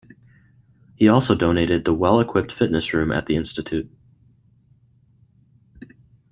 He also donated the well-equipped Fitness Room at the Institute.